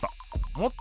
もっと？